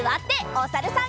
おさるさん。